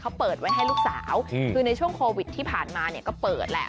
เขาเปิดไว้ให้ลูกสาวคือในช่วงโควิดที่ผ่านมาเนี่ยก็เปิดแหละ